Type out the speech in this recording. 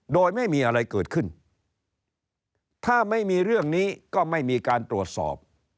โดยไม่มีอะไรเกิดขึ้นถ้าไม่มีเรื่องนี้ก็ไม่มีการตรวจสอบ